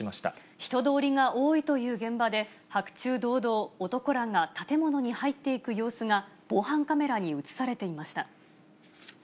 人通りが多いという現場で、白昼堂々、男らが建物に入っていく様子が、防犯カメラに写されていました。